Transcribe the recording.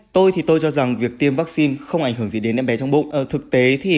tôi thì tôi cho rằng việc tiêm vaccine không ảnh hưởng gì đến em bé trong bụng thực tế thì